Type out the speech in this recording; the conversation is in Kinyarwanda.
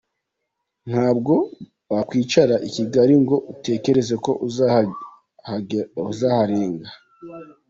Ntabwo wakwicara i Kigali ngo utekereze ko uzaharenga.